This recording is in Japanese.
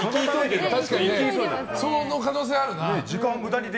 その可能性あるな。